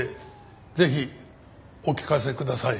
ぜひお聞かせください。